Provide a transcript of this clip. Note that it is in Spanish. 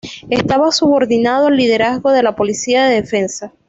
Estaba subordinado al liderazgo de la policía de defensa.